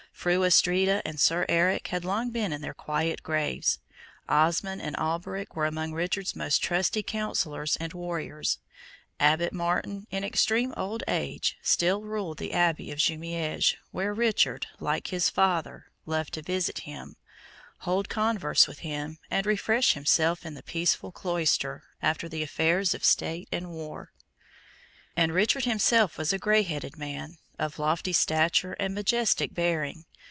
Fru Astrida and Sir Eric had long been in their quiet graves; Osmond and Alberic were among Richard's most trusty councillors and warriors; Abbot Martin, in extreme old age, still ruled the Abbey of Jumieges, where Richard, like his father, loved to visit him, hold converse with him, and refresh himself in the peaceful cloister, after the affairs of state and war. And Richard himself was a grey headed man, of lofty stature and majestic bearing.